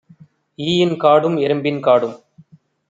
ஈயின் காடும் எறும்பின் காடும்